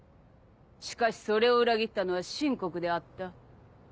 しかしそれを裏切ったのは秦国であった。